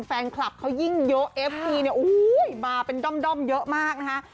แฟนคลับเขายิ่งเยอะเอฟพีมาเป็นด้อมเยอะมากนะฮะ